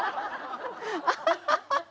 アハハハハハ！